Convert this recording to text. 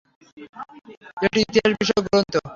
এটি ইতিহাস বিষয়ক গ্রন্থ।